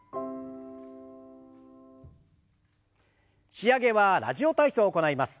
仕上げは「ラジオ体操」を行います。